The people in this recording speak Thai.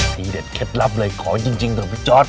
ดีเด็ดเคล็ดลับเลยของจริงต่อไปจอด